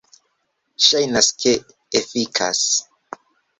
Ŝajnas ke efikas.